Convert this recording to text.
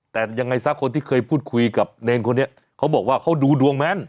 แต่ยังไงซะคนที่เคยพูดคุยกับเนรคนนี้เขาบอกว่าเขาดูดวงแม่น